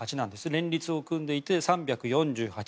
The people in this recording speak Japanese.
連立を組んでいて３４８。